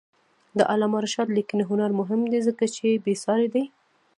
د علامه رشاد لیکنی هنر مهم دی ځکه چې بېسارې دی.